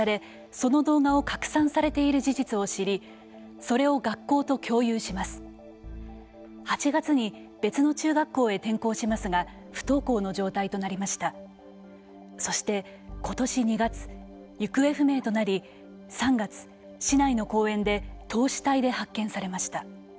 そして、ことし２月行方不明となり３月、市内の公園で凍死体で発見されました。